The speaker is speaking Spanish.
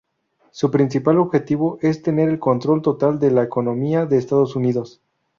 Su principal objetivo es tener el control total de la economía de Estados Unidos.